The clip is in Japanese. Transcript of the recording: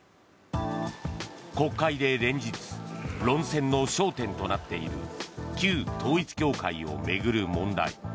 国会で連日論戦の焦点となっている旧統一教会を巡る問題。